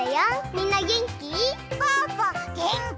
みんなげんき？